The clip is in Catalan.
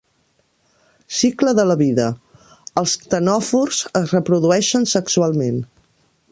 Cicle de la vida: els ctenòfors es reprodueixen sexualment.